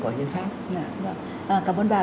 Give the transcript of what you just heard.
của nhân pháp cảm ơn bà